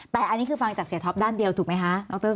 แต่อันนี้คือฟังจากเสียท็อปด้านเดียวถูกไหมคะดร